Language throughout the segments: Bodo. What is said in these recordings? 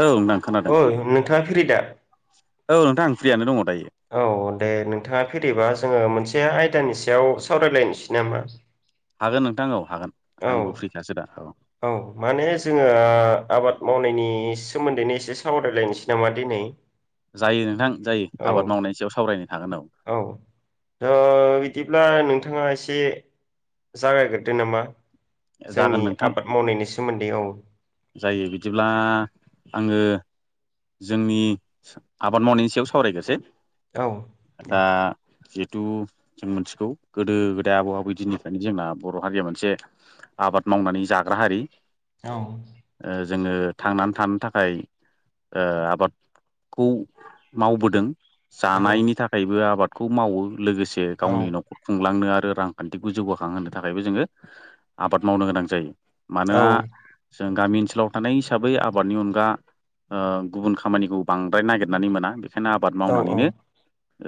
औ नोंथां खोनादों औ नोंथांङा फि‌रि दा औ नोंथां आं फ्रियानो दङ दायो औ दे नोंथाङा फेरबा जोङो मोनसे आयदानि सायाव सावरायलायनोसै नामा हागोन नोंथां औ हागोन औ आंबो फ्रिखासो दा औ औ माने जोङो आबाद मावनायनि सोमोन्दैनो एसे सावरायलायनोसै नामा दिनै जायो नोंथां जायो औ आबाद मावनायनि सायाव सावरायनो थागोन औ थ बिदिब्ला नोंथाङा एसे जागायग्रदो नामा जोंनि जागोन नों आबाद मावनायनि सोमोन्दै मावो जायो बिदिब्ला आङो जोंनि आबाद मावनायनि सायाव सावरायग्रोसै औ दे। दा जिहेथु जों मोनथिगौ गोदो गोदाय आबौ आबै दिननिफ्रायनो जोंना बर' हारिया मोनसे आबाद मावनानै जाग्रा हारि। औ। ओ जोङो थांनानै थानो थाखाय ओ आबादखौ मावबोदों। औ जानायनि थाखायबो आबादखौ मावो लोगोसे औ गावनि न'खर खुंलांनो आरो रांखान्थिखौ जौगाखां होनो थाखायबो जोङो आबाद मावनो गोनां जायो औ मानोना जों गामि ओनसोलाव थानाय हिसाबै आबादनि अनगा ओ गुबुन खामानिखौ बांद्राय नागिरनानै मोना बे बेखायनो आबाद औ मावनानैनो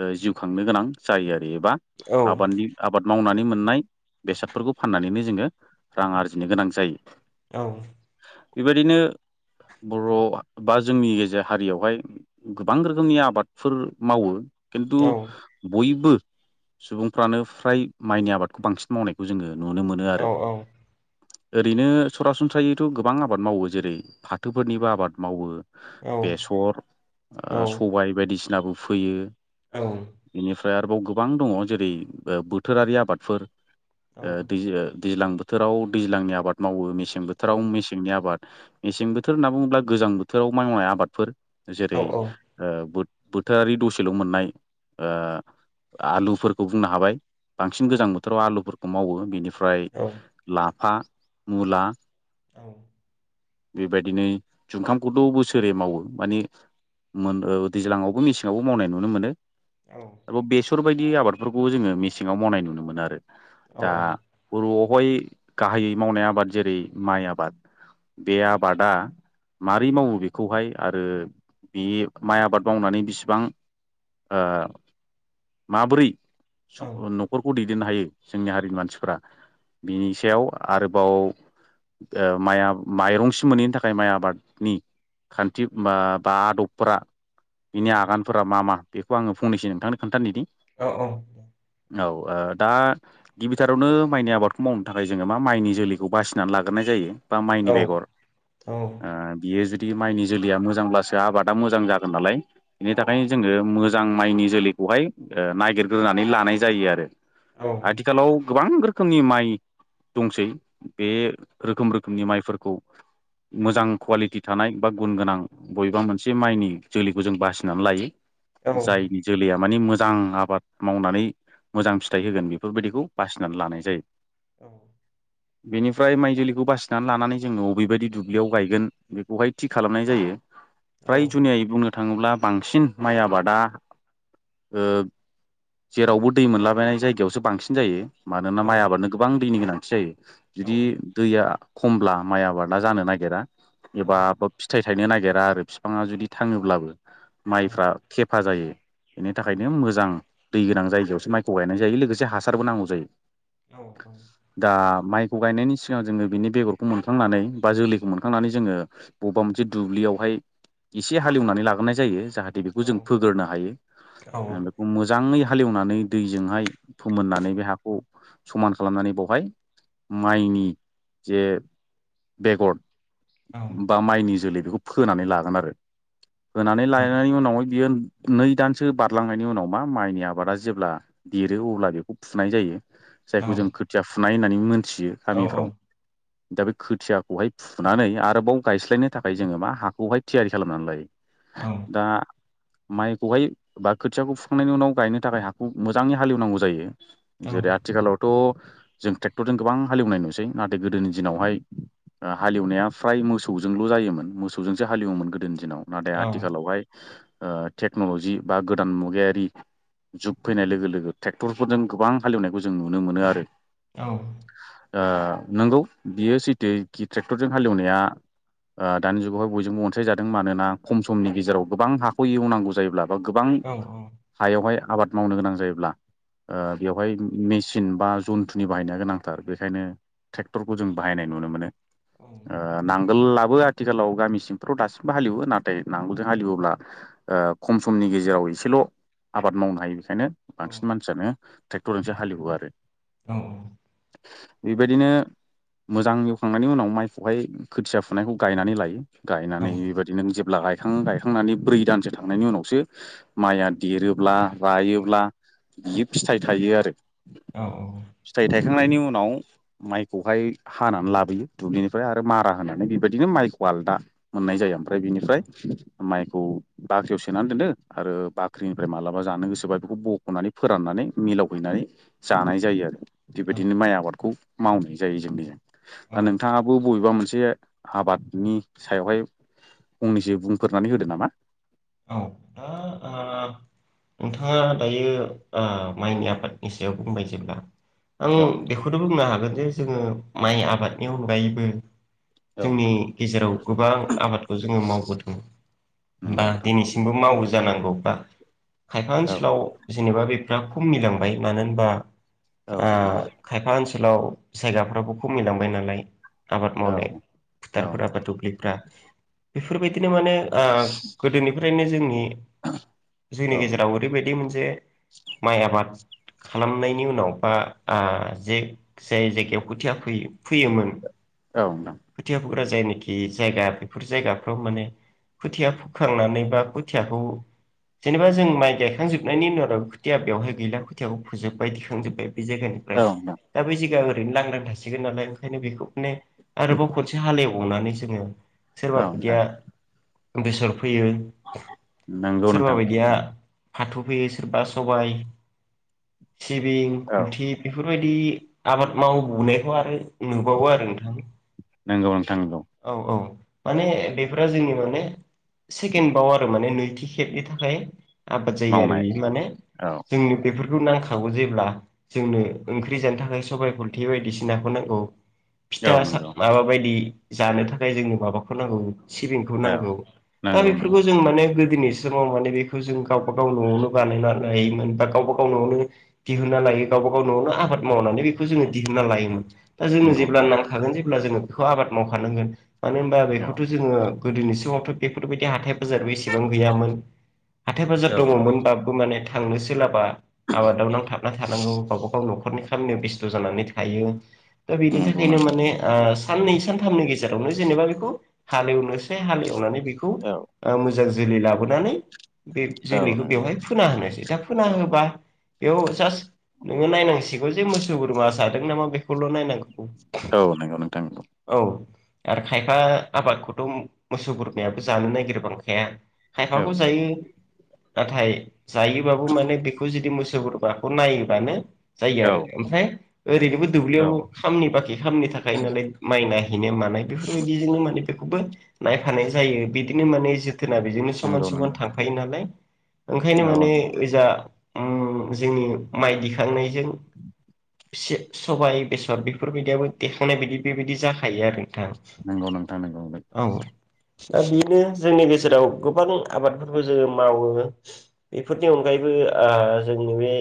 ओ जिउ खांनो गोनां जायो आरो। एबा औ आबादनि आबाद मावनानै मोन मोननाय बेसादफोरखौ फाननानैनो जोङो रां आरजिनो गोनां जायो। दं। बेबायदिनो बर' बा जोंनि गेजेर हारियावहाय गोबां रोखोमनि आबादफोर मावो। किन्तु औ बयबो सुबुंफ्रानो फ्राय माइनि आबादखौ बांसिन मावनायखौ जोङो नुनो मोनो औ आरो ओरैनो सरासनस्रायैथ' गोबां आबाद मावो जेरै फाथोफोरनिबो आबाद मावो बेसर सबाइ बायदिसिनाबो फोयो। औ। ओमफ्राय आरोबाव गोबां दङ जेरै बोथोरारि आबादफोर औ ओ दैजो दैज्लां बोथोराव दैज्लांनि आबाद मावो मेसें औ बोथोराव मेसेंनि आबाद। मेसें बोथोर होनना बुङोब्ला गोजां बोथोराव मावनाय आबादफोर औ जेरै बो बोथोरारि दसेल' मोननाय ओ आलुफोरखौ बुंनो हाबाय। बांसिन गोजां बोथोराव आलुफोरखौ मावो बेनिफ्राय लाफा मुला औ। बेबायदिनो जुखामखौथ' बोसोरै मावो माने मोन ओ दैज्लाङावबो मेसेङावबो मावनाय नुनो मोनो। आरोबाव बेसर बायदि आबादफोरखौ जोङो मेसेङाव मावनाय नुनो मोनो आरो। दा बर'आवहाय गाहायै मावनाय आबाद जेरै माइ आबाद। बे आबादा मारै मावो बेखौहाय आरो बे माइ आबाद मावनानै बिसिबां? ओ माबोरै न'खरखौ दै दोननो हायो जोंनि हारिनि मानसिफ्रा बिनि सायाव आरोबाव ओ माइ माइरंसिम मोनैनि थाखाय माइ आबादनि खान्थि बा- बा डक्रा बिनि आगानफोरा मा - मा बेखौ आङो फंनैसो नोंथांनो खोन्थानो निदि। औ - औ दे। औ ओ दा गिबिथारावनो माइनि आबादखौ मावनो थाखाय जोङो मा माइनि जोलैखौ बासिनानै लाग लाग्रोनाय जायो बा माइनि बेगर ओ बियो जो दि माइनि जोलैया मोजांब्लासो आबादा मोजां जागोन नालाय बिनि थाखायनो जोङो मोज मोजां माइनि जोलैखौहाय ओ नायगिरग्रोनानै लानाय जायो आरो। आथिखालाव गोबां रोखोमनि माइ दंसै बे रोखोम रोखोमनि माइफोरखौ मोजां कुवालिटि थानाय बा गुन गोनां बबेबा मोनसे माइनि जोलैखौ जों बासिनानै लायो। जायनि जोलैया माने मोजां आबाद मावनानै मोजां फिथाइ होगोन बेफोरबायदिखौ बासिनानै लानाय जायो। औ। बेनिफ्राय माइजोलि बेखौ बासिनानै लानानै जोंङो बबेबायदि दुब्लियाव गायगोन बेखौहाय थि खालामनाय जायो‌। फ्राय जुनियायै बुंनो थाङोब्ला बांसिन माइ आबादा ओ जेरावबो दै मोनलाबायनाय जायगायावसो बांसिन जायो। मानोना माइबानो गोबां दैनि गोनांथि जायो औ जुदि दैया खमब्ला माइ आबादा जानो नागिरा एबा फिथाइ थायनो नागिरा दा आरो बिफाङा जुदि थाङोब्लाबो। माइफ्रा खेफा जायो बेनि थाखायनो मोजां दै गोनां जायगायावसो माइखौ गायनाय जायो लोगोसे हासारबो नांगौ जायो दा गायनायनि सिगां जोङो बिनि बेगरखौ मोनखांनानै बा जोलैखौ मोनखांनानै जोङो बबेबा मोनसे दुब्लियावहाय एसे हालेवनानै लाग्रोनाय जायो जाहाथे बेखौ जों फोगोरोननो हायो ओ बेखौ मोज हाङै हालेवनानै दैजोंहाय फोमोननानै बे हाखौ समान खालामनानै बावहाय माइनि जे बेगर बा माइनि जोलै बेखौ फोनानै लागोन आरो फोनानै लानायनि उनावहाय बियो नै दानसो बारलांनायनि उनाव मा माइनि आबादा जेब्ला देरो अब्ला बेखौ फुनाय जायो। जायखौ जों खोथिया फुनाय होननानै मोनथियो गामिफ्राव‌ दा बे खोथियाखौहाय फुनानै आरोबाव गायस्लायनो थाखाय जोङो मा हाखौहाय थियारि खालामनानै लायो। दा माइखौहाय बा खोथियाखौ फुखांनायनि उनाव गायनो थाखाय हाखौ मोजाङै हालेवनांगौ जायो जेरै आथिखालावथ' जों ट्रेक्टरजों गोबां हालेवनाय नुसै नाथाय गोदोनि दिनावहाय ओ हालेवनाया फ्राय मोसौजोंल' जायोमोन मोसौजोंसो हालेवोमोन गोदोनि दिनाव नाथाय आथिखालावहाय ओ टेक्न'ल'जि बा गोदान मुगायारि जुग फैनाय लोगो लोगो ट्रेक्टरफोरजों गोबां हालेवनायखौ जों नुनो मोनो आरो। औ। ओ नंगौ बियो सैथोखि ट्रेक्टरजों हालेवनाया ओ दानि जुगावहाय बयजोंबो अनसायज जादों मानोना खम समनि गेजेराव गोबां हाखौ एवनांगौ जायोब्ला बा गोबां हायावहाय आबाद मावनो गोनां जायोब्ला ओ बेवहाय मेसिन बा जन्थुनि बाहायनाया गोनांथार बेखायनो ट्रेक्टरखौ जों बाहायनाय नुनो मोनो ओ नां गोलाबो आथिखालाव गामि सिंफ्राव दासिमबो हालिवो नाथाय नांगोलजों हालिवोबब्ला खम समनि नि गेजेराव एसेल' आबाद मावनो हायो बेनिखायनो बांसिन मानसियानो ट्रेक्टरजोंसो हालेवो आरो। औ। बेबायदिनो मोजां एवखांनायनि उनाव माइखौहाय खोथिया फुनायखौ गायनानै लायो। गायनानै बेबायदि नों जेब्ला गायखां गायखांनानै ब्रै दानसो थांनायनि उनावसो माइआ देरोब्ला रायोब्ला बियो फिथाइ थायो आरो औ औ। फुखांनायनि उनाव माइखौहाय हानानै लाबोयो दुब्लिनिफ्राय आरो मारा होनानै बेबायदिनो माइखौ बालदा मोननाय जायो ओमफ्राय बिनिफ्राय माइखौ बाख्रियाव सोनानै दोनदों आरो बा फख्रिनिफ्राय मालाबा जानो गोसोबा बेखौ बख'नानै फोराननानै मिलावहैनानै जानाय जायो आरो बेबाय बिनो माइ आबादखौ मावनाय जायो जों दा नोंथाब बबेबा मोनसे एसे आबादनि सायावहाय फंनैसो बुंफोरनानै होदो नामा? औ। [unintelligible] नोंथाङा दायो ओ माइनि आबादनि सायाव बुंबाय जेब्ला आं औ नोंथां बेखौनो बुंनो हागोन जे जोङो माइ आबादनि अनगायैबो औ जोंनि नोंथां गेजेराव गोबां आबादखौ जोङो मावबोदों नंगौ बा नोंथां इसिंबो मावो जांगौ‌ बा खायफा औ ओनसोलाव जेनबा बे फ्रा खमिलांबाय मानो होनबा औ आ नोंथां खायफा ओनसोलाव जायगाफ्राबो खमिलांबाय नालाय, आबाद औ मावनाय औ फुथारफोरा बा नोंथां दुब्लिफोरा बेफोरबायदिनो माने आ एनिफ्रायनो जोंनि जोंनि औ गेजेराव ओरैबायदि मोनसे माइ आबाद खालामनायनि उनाव बा आ जे जाय जायगायाव खोथिया फोयो फोयोमोन औ नोंथां। फुरा जायनाखि जायगा बेफोर जायगाफ्राव माने खुथिया फु खांनानै बा खुथियाखौ जेनेबा जों माइ गायखांजोबनायनि उनाव खुथिया बेवहाय गैला खुथियाखौ फोजोब्बाय दिखांजोब्बाय बे जायगानिफ्राय औ दा बै जायगाया ओरैनो लांदां थासिगोन नालाय ओंखायनो बेखौ माने आरोबाव खनसे हालेवबावनानै जोङो सोरबा नोंथां बायदिया बेसर फोयो, नंगौ सोरबा नोंथां बायदिया फाथु फोयो, सोरबा सबाय, सिबिं औ खुलथि बेफोर बोफोरबायदि आबाद मावबोवनायखौ आरो नुबावो आरो नोंथां। नोंगौ नोंथां नंगौ। औ औ माने बेफोरो जोंनि माने सेकेण्डबाव आरो माने नैथि खेबनि थाखाय आबाद जायो आरो मावनाय बेषो माने औ जोंनि बेफोर नांखागौ जेब्ला जोंनो ओंख्रि जानो थाखाय सबाइ खलथि बायदिसिनाखौ नांगौ। औ फिथा सा नंगौ माबा बायदि जानो थाखाय जोंनो माबाखौ नांगौ। सिबिंखौ औ नांगौ। दा नंगौ नंगौ बेफोरखौ जों माने गो दोनि समाव माने बेखौ जों गावबा गाव न'आवनो बानायना लोयोमोन बा गावबा गाव न'आवनो दिहुनना ला लायो गावबा गाव न'आवनो आबाद मावनानै बेखौ जोङो दिहुनना लायोमोन। दा जोङो नंगौ जेब्ला नोंथां नांखागोन जेब्ला जोङो बेखौ आबाद मावखानांगोन। मानो होनबा औ बेखौथ' जोङो गोदोनि समावथ' बेफोरबायदि हाथाय बाजारबो एसेबां गैयामोन। हाथाय बाजार औ नंगौ दङमोनबाबो माने थांनो सोलाबा आबादाव नांथाबना थानांगौ गावबा गाव न' नख'रनि खामानियाव बेस्थ' जानानै थायो दा बिनि नंगौ थाखायनो नोंथां माने ओ साननै सान गेजेरावनो जेनेबा बिखौ हालेवनोसै हालेवनानै बेखौ औ ओ मो जां जोलै लाबोनानै बे औ जोलैखौ नंगौ बेवहाय फोना होनोसै। दा फोना होबा बेयाव जास्ट नोङो नायनांसिगौ जे मोसौ बोरमा जादों नामा बेखौल' नायनांगौ। औ नोंगौ नोंथां नोंगौ। औ आरो खायफा आबादखौथ' मोसौ बोरमायाबो जानो नागिरबांखाया। औ खायफाखौ जायो। नाथाय जायोबाबो माने बेखौ जदि मोसौ बोरमाखौ नायोबानो जायो औ आरो। ओमफ्राय ओरैनोबो दुब्लियाव खामनि बाखि खामनि थाखायनो नालाय माइ नाहैनो मानाय बेफोरबायदिजोंनो माने बेखौबो नायफानाय जायो बिदिनो माने जो थोना बेजोंनो समान नंगौ समान नंगौ थांफायो नालाय, ओंखायनो औ माने नंगौ ओ जा उम जोंनि माइ दिखांनायजों स-सबाइ बेसर बेफोरबायदियाबो देखांनाय बायदि बेबायदि जाखायो आरो। नोंथां नोंगौ नोंथां नोंगौ। औ दा बेनो जोंनि गेजेराव गोबां आबादफोरबो जोङो मावो। बेफोरनि अनगायैबो आ जोंनि बे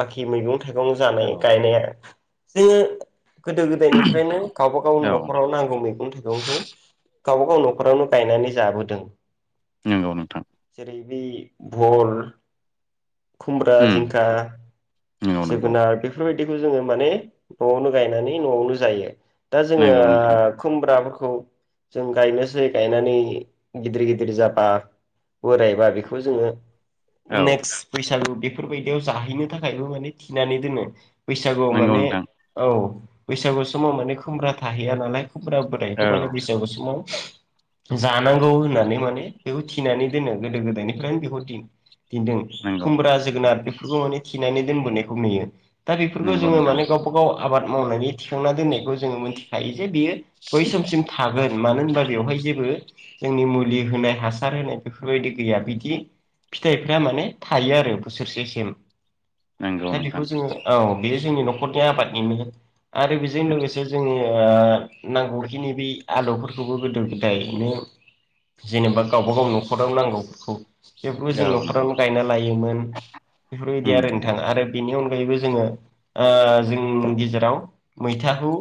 बाखि मैगं थाइगं जानाय औ गायनाया जोङो गोदो गो फरायनो गावबा गावनि औ न'खराव नांगौ मैगं थाइगंखौ गावबा गाव न'खरावनो गायनानै जाबोदों। नंगौ नोंथां भिन्दि भल खुमब्रा उम जिंखा नंगौ नंगौ जोगोनार बेफोरबायदि बेखौ जोङो माने न'आवनो गायनायना न'आवनो जायो दा जोङो नंगौ नोंथां खुमब्रा खौ जों गायनोसै गायनानै गिदिर गिदिर जाबा बोरायबा बेखौ जोङो औ नेक्स्ट बैसागु बेफोरबायदियाव जाहैनो थाखायबो माने थिनानै दोनो बैसागुआव नंगौ माने नोंथां औ बैसागु समाव माने खुमब्रा थाहैया नालाय खुमब्रा बोरायखौ औ माने बैसागु समाव जानांगौ होननानै माने बेखौ थिनानै दोनो गोदो गोदायनिफ्रायनो बेखौ दिन दिन्दों नंगौ खुमब्रा जोगोनार बेफोरखौ माने थिनानै दोनबोनायखौ नुयो दा बेफोरखौ नंगौ जोङो नोंथां माने गावबाागाव आबाद मावनानै थिखांना दोननायखौ जोङो मोनथिखायो जे बियो बै समसिम थागोन मानो होनबा बेवहाय जेबो जोंनि मुलि होनाय हासार होनाय बेफोरबायदि गैया बिदि फिथाइफ्रा माने थायो आरो बोसोरसेसिम नंगौ दा नोंथां बेखौ जोङो औ बे जोंनि न'खरथाया आबादनिनो आरो बेजों लोगोसे जोङो ओ नांगौखिनि बे आलुफोरखौबो गोदो गोदायनो जेनेबा गाव गावबा गाव न'खरावनो नांगौफोरखौ बेफोरखौ जों औ नंगौ न'खरावनो गायना लायोमोन बेफोरबायदि उम आरो नंगौ नोंथाङा आरो बेनि अनगायैबो जोङो ओ जोंनि गेजेराव मैथाखौ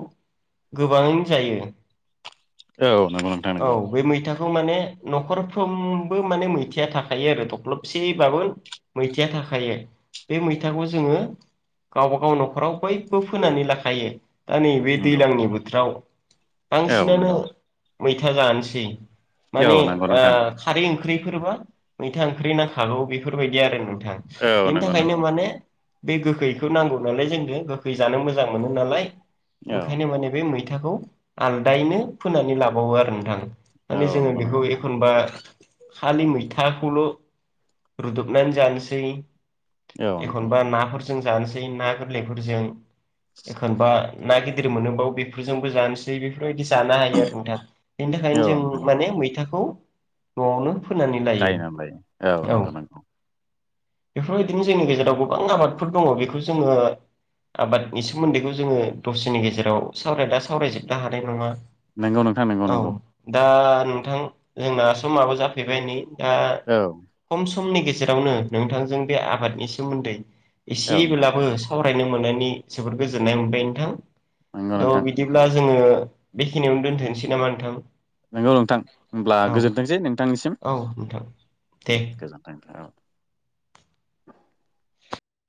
गोबाङैनो जायो औ नंगौ नोंथां औ नंगौ बे मैथाखौ माने न'खरफ्रोमबो माने मैथिया थाखायो आरो थख्लबसेबाबो मैथाया थाखायो बे मैथाखौ जोङो गावबाागाव न'खराव बयबो फोनानै लाखायो दा नैबे नंगौ दैज्लांनि बोथोराव औ बांसिनानो नंगौ मैथा जानोसै औ माने नंगौ ओ नोंथां खारै ओंख्रिफोरबा मैथा ओंख्रि नांखागौ बेफोरबायदि आरो नोंथां औ बेनि नंगौ थाखायनो नंगौ माने बे गोखैखौ नांगौ नालाय जोंनो गोखै जानो मोजां मोनो नालाय औ ओंखायनो माने बे मैथा खौ आलदायैनो फोनानै लाबावो आरो नोंथां औ माने जोङो नंगौ नंगौ बेखौ नोंथां एखनबा खालि मैथाखौल' रुदबनानै जानोसै औ नोंथां एखनबा नाफोरजों जानोसै ना गोरलैफोरजों एखनबा ना गिदिर मोनोबाव बेफोरजोंबो जानोसै बे बै जाग्रा आरो नोंथां बेनि औ थाखायनो नोंथां जों नंगौ माने मैथाखौ न'आवनो फोनानै लायो गायनानै औ नंगौ नंगौ बेफोरबायदिनो जोंनि गेजेराव गोबां आबादफोर दं बेखौ जोङो आबादनि सोमोन्दैखौ जोङो दसेनि गेजेराव सावरायाबा सावरायजोबनो हानाय नङा नंगौ नोंथां नंगौ औ नंगौ दा नोंथां जोंना समाबो जाफैबाय नै दा औ खमस समनि गेजेरावनो नोंथांजों बे आबादनि सोमोन्दै औ नोंथां एसेब्लाबो सावराय फरायनो मोननायनि जोबोद गोजोननाय मोनबाय नोंथां नंगौ दा नोंथां बिदिब्ला जोङो बेखिनियावनो दोनथनोसै नामा नोंथां नंगौ नोंथां होमब्ला गोजोनथोंसै नोंथांनिसिम औ औ नोंथां दे गोजोनथों [inaudible]